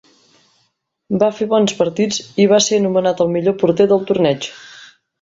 Va fer bons partits i va ser anomenat el Millor porter del torneig.